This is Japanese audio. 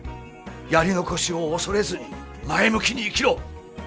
やり残しを恐れずに前向きに生きろ！